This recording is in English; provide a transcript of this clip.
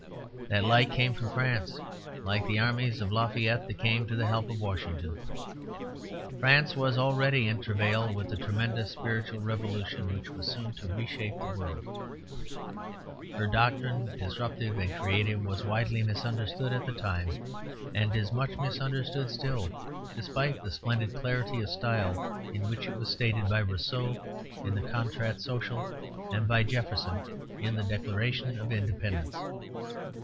That light came from France, like the armies of Lafayette that came to the help of Washington. France was already in travail with the tremendous spiritual revolution which was soon to reshape the world. Her doctrine, disruptive and creative, was widely misunderstood at the time, and is much misunderstood still, despite the splendid clarity of style in which it was stated by Rousseau in the "Contrat Social," and by Jefferson in The Declaration of Independence.